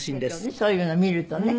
そういうのを見るとね。